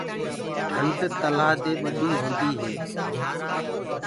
ڍنڊ تلآه دي ڀڏي هوندي هي۔